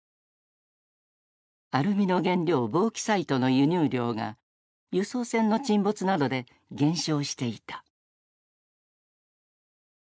アルミの原料ボーキサイトの輸入量が輸送船の沈没などで減少していた。